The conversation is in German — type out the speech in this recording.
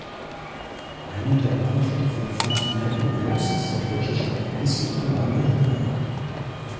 Eine der Partnerstädte von Fontenay-aux-Roses ist die deutsche Stadt Wiesloch in Baden-Württemberg.